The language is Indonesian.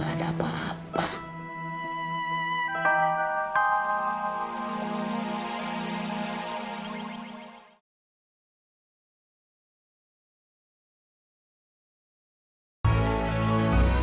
gak ada apa apa